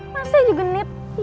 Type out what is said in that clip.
masih aja genit